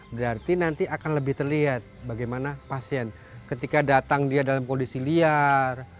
berarti nanti akan lebih terlihat bagaimana pasien ketika datang dia dalam kondisi liar